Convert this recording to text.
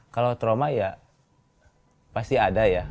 kalau trauma ya pasti ada ya